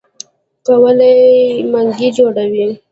کولال منګی جوړوي.